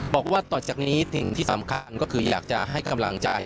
บอกว่าต่อจากนี้สิ่งที่สำคัญก็คืออยากจะให้กำลังใจ